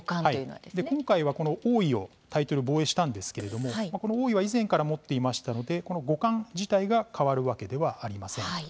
今回はこの王位をタイトル防衛したんですけれどもこの王位は以前から持っていましたのでこの五冠自体が変わるわけではありません。